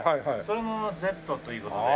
それの「Ｚ」という事で。